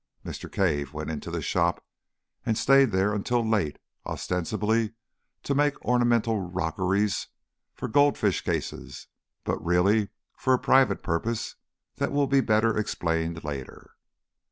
Mr. Cave went into the shop, and stayed there until late, ostensibly to make ornamental rockeries for goldfish cases but really for a private purpose that will be better explained later.